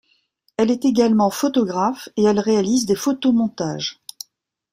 Elle est également photographe et elle réalise des photomontages.